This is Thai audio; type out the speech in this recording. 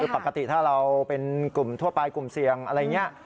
ปกติถ้าเราเป็นกลุ่มทั่วไปกลุ่มเสี่ยงอะไรอย่างนี้